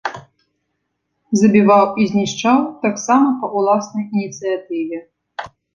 Забіваў і знішчаў таксама па ўласнай ініцыятыве.